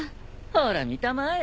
ほら見たまえ。